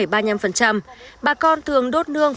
bà con thường đốt nương phục vụ rừng